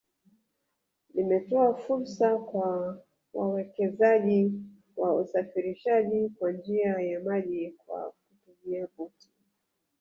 Limetoa fursa kwa wawekezaji wa usafirishaji kwa njia ya maji kwa kutumia boti